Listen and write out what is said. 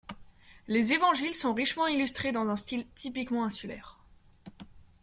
Les Évangiles sont richement illustrés dans un style typiquement insulaire.